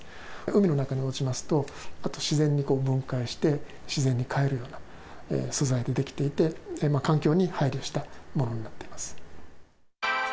海の中に落ちますと、あと自然に分解して、自然に返るような素材で出来ていて、環境に配慮したものになっています。